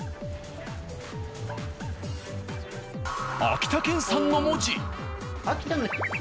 「秋田県産」の文字。